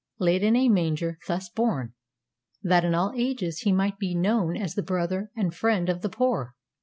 laid in a manger; thus born, that in all ages he might be known as the brother and friend of the poor.